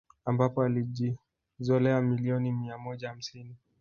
Ambapo alijizolea milioni mia moja hamsini